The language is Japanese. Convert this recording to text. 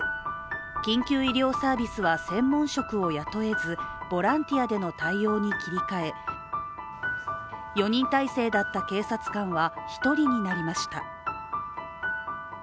緊急医療サービスは専門職を雇えずボランティアでの対応に切り替え４人態勢だった警察官は１人になりました。